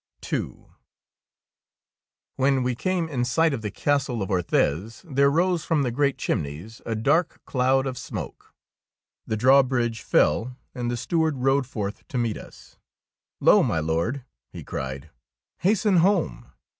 '' II When we came in sight of the castle of Orthez, there rose from the great chimneys a dark cloud of smoke. The drawbridge fell, and the steward rode forth to meet us. 16 THE KOBE OF THE DUCHESS "Lo, my Lord/^ he cried, hasten home.